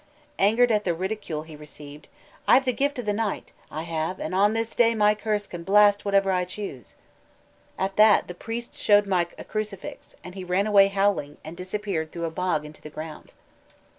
Angered at the ridicule he received, he cried: "I've the gift o' the night, I have, an' on this day my curse can blast whatever I choose." At that the priest showed Mike a crucifix, and he ran away howling, and disappeared through a bog into the ground.